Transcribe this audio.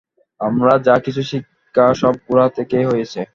আমার যা-কিছু শিক্ষা সব গোরা থেকেই হয়েছে।